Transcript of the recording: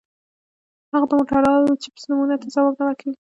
هغه د موټورولا چپس نومونو ته ځواب نه ورکوي